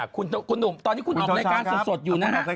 คุณหนุ่มตอนนี้คุณออกรายการสดอยู่นะฮะ